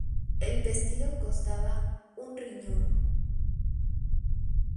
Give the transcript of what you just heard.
El vestido costaba un riñón